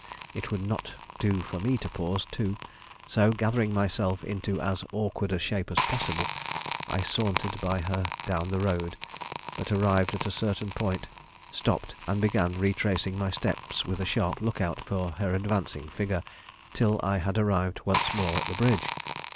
It would not do for me to pause too, so gathering myself into as awkward a shape as possible, I sauntered by her down the road, but arrived at a certain point, stopped, and began retracing my steps with a sharp lookout for her advancing figure, till I had arrived once more at the bridge.